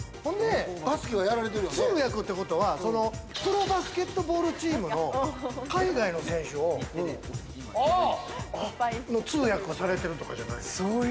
通訳ってことはプロバスケットボールチームの海外の選手を、通訳をされてるとかじゃない？